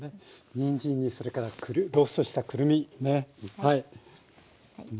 にんじんにそれからローストしたくるみねはい。